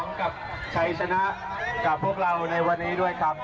กับชัยชนะกับพวกเราในวันนี้ด้วยครับ